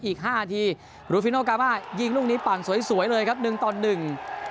อีกห้านาทีรูฟิโนกามายิงลูกนี้ปั่นสวยสวยเลยครับหนึ่งต่อหนึ่ง